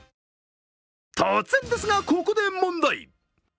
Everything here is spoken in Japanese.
突然ですが、ここで問題！